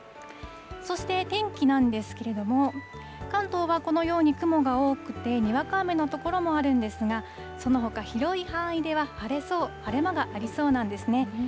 そして天気なんですけれども、関東はこのように雲が多くて、にわか雨の所もあるんですが、そのほか、広い範囲では晴れそう、晴れ間がありそうなんですね。